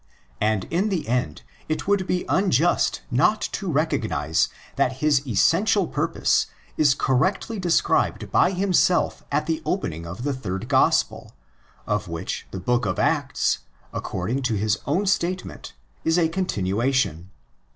And in the end it would be unjust not to recognise that his essential purpose is correctly described by himself at the open ing of the third Gospel, of which the book of Acts, according to his own statement, is a continuation.